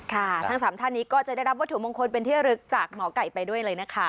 ทั้งสามท่านนี้ก็จะได้รับวัตถุมงคลเป็นที่ลึกจากหมอไก่ไปด้วยเลยนะคะ